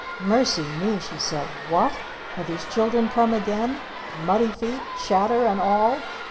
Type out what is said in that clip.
"Mercy me!" she said. "What? Have these children come again? Muddy feet? Chatter? And all?"